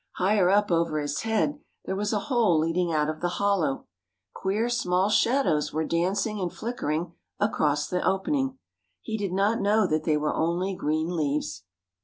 Higher up over his head there was a hole leading out of the hollow. Queer small shadows were dancing and flickering across the opening. He did not know that they were only green leaves.